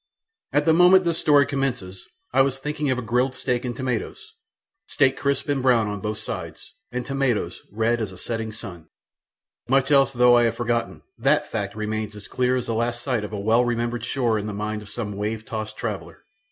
At the moment this story commences I was thinking of grilled steak and tomatoes steak crisp and brown on both sides, and tomatoes red as a setting sun! Much else though I have forgotten, THAT fact remains as clear as the last sight of a well remembered shore in the mind of some wave tossed traveller.